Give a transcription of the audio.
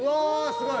すごい！